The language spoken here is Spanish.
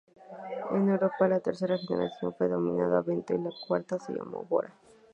En Europa, la tercera generación fue denominada Vento, y la cuarta se llamó Bora.